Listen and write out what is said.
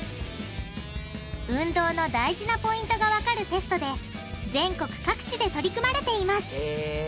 運動の大事なポイントがわかるテストで全国各地で取り組まれていますへぇ。